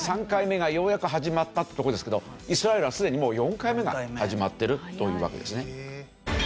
３回目がようやく始まったってとこですけどイスラエルはすでにもう４回目が始まってるというわけですね。